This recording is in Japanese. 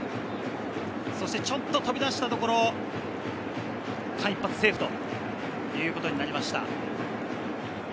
ちょっと飛び出したところを間一髪セーフということになりました。